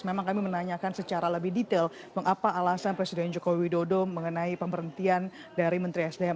memang kami menanyakan secara lebih detail mengapa alasan presiden joko widodo mengenai pemberhentian dari menteri sdm